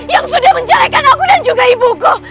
yang sudah menjelekan aku dan juga ibuku